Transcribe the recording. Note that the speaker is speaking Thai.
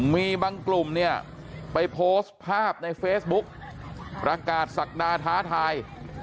มีบางกลุ่มเนี่ยไปโพสต์ภาพในเฟซบุ๊กประกาศศักดาท้าทาย